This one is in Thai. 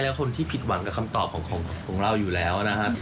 และคนที่ผิดหวังกับคำตอบของเราอยู่แล้วนะครับ